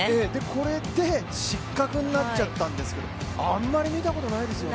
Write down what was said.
これで失格になっちゃったんですけど、あまり見たことないですよね。